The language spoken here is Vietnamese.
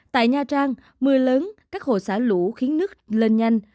tại nha trang mưa lớn các hồ xả lũ khiến nước lên nhanh